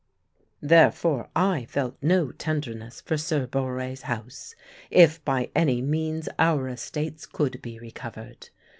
Therefore I felt no tenderness for Sir Borre's house, if by any means our estates could be recovered.